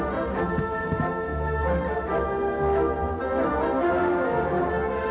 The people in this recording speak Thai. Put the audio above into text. สวัสดีครับสวัสดีครับ